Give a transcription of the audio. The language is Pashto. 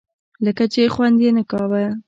لکه چې خوند یې نه کاوه.